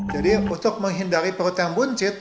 jadi untuk menghindari perut yang buncit